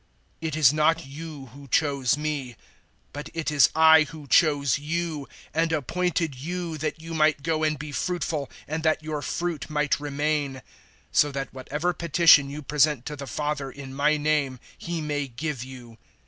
015:016 It is not you who chose me, but it is I who chose you and appointed you that you might go and be fruitful and that your fruit might remain; so that whatever petition you present to the Father in my name He may give you.